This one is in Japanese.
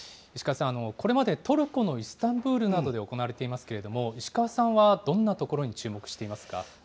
石川さん、これまでトルコのイスタンブールなどで行われていますけれども、石川さんはどんなところに注目していますか。